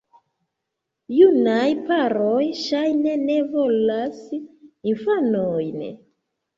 Junaj paroj, ŝajne, ne volas infanojn.